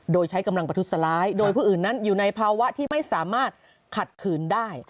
โดยใช้กำลังประทุษร้ายโดยผู้อื่นนั้นอยู่ในภาวะที่ไม่สามารถขัดขืนได้